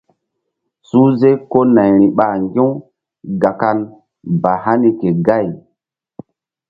Suhze ko nayri ɓa ŋgi̧-u gakan ba hani ke gay.